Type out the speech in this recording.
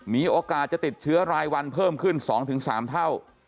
มีโอกาสจะติดเชื้อรายวันเพิ่มขึ้น๒๓เท่า